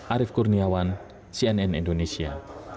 arief kurniawan cnn indonesia